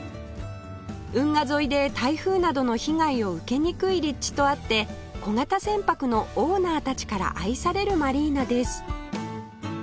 運河沿いで台風などの被害を受けにくい立地とあって小型船舶のオーナーたちから愛されるマリーナです